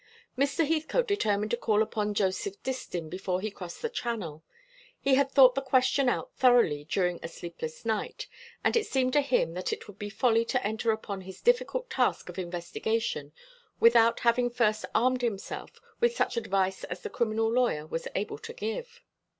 Mr. Heathcote determined to call upon Joseph Distin before he crossed the Channel. He had thought the question out thoroughly during a sleepless night; and it seemed to him that it would be folly to enter upon his difficult task of investigation without having first armed himself with such advice as the criminal lawyer was able to give.